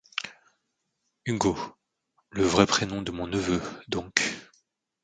Hugo : Le vrai prénom de mon neveu, donc.